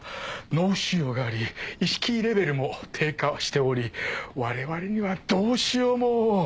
脳腫瘍があり意識レベルも低下しておりわれわれにはどうしようも。